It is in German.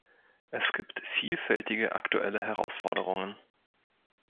Es gibt vielfältige aktuelle Herausforderungen.